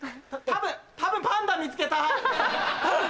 多分パンダ見つけた。